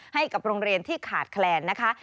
ให้กับโรงเรียนที่ขาดแคลนนะคะ